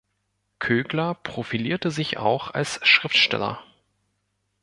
Kögler profilierte sich auch als Schriftsteller.